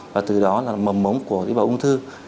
và từ đó là mầm mống của cái bào ung thư